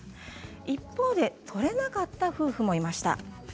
一方、取れなかった夫婦もいました。